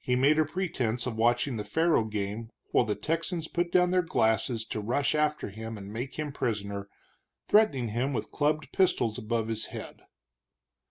He made a pretense of watching the faro game while the Texans put down their glasses to rush after him and make him prisoner, threatening him with clubbed pistols above his head.